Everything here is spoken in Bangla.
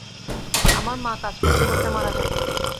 আমার মা কাজ করতে করতে মারা যান।